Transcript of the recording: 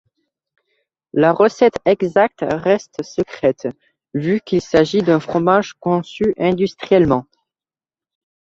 La recette exacte reste secrète, vu qu’il s’agit d’un fromage conçu industriellement.